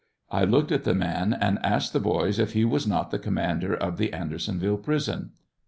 I looked at the man and asked the boys if he was not the commander of the Andersonville prison.